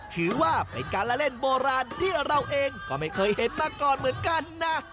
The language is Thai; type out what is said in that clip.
ถือว่าเป็นการละเล่นโบราณที่เราเองก็ไม่เคยเห็นมาก่อนเหมือนกันนะ